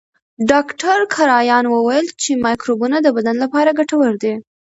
ډاکټر کرایان وویل چې مایکروبونه د بدن لپاره ګټور دي.